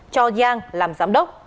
cho giang làm giám đốc